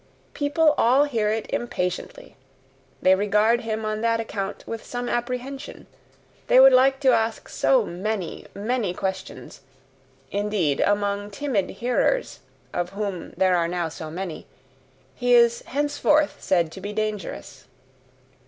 people all hear it impatiently; they regard him on that account with some apprehension, they would like to ask so many, many questions... indeed among timid hearers, of whom there are now so many, he is henceforth said to be dangerous.